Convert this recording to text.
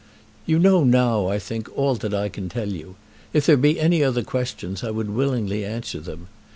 You now know, I think, all that I can tell you. If there be any other questions I would willingly answer them.